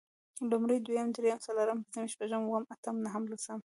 لومړی، دويم، درېيم، څلورم، پنځم، شپږم، اووم، اتم، نهم، لسم